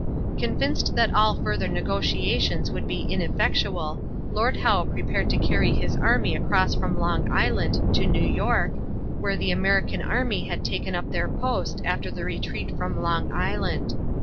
Convinced that all further negotiations would be ineffectual, Lord Howe prepared to carry his army across from Long Island to New York, where the American army had taken up their post after the retreat from Long Island.